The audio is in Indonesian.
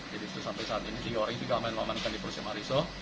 jadi sampai saat ini tiga orang itu diamankan di polsek mariso